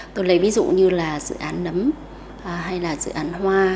tôi lấy ví dụ như là dự án nấm hay là dự án hoa